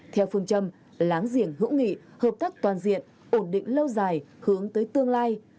theo phương châm láng giềng hữu nghị hợp tác toàn diện ổn định lâu dài hướng tới tương lai